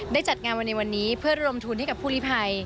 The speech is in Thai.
จัดงานวันในวันนี้เพื่อระดมทุนให้กับผู้ลิภัย